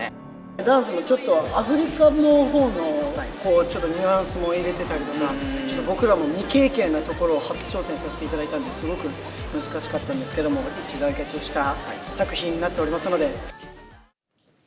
ダンスもちょっと、アフリカのほうのちょっとニュアンスも入れてたりとか、ちょっと僕らも未経験なところを初挑戦させていただいたんで、すごく難しかったんですけども、一致団結した作品になっておりますので。